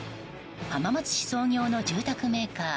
浜松市創業の住宅メーカー